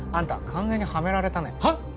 完全にハメられたねはっ？